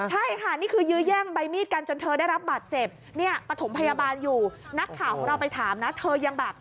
ใช่ค่ะนี่คือยื้อย่างใบมีดกันจนเธอได้รับบาดเจ็บ